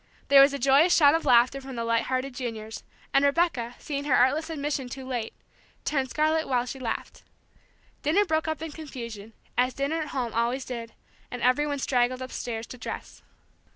There was a joyous shout of laughter from the light hearted juniors, and Rebecca, seeing her artless admission too late, turned scarlet while she laughed. Dinner broke up in confusion, as dinner at home always did, and everybody straggled upstairs to dress.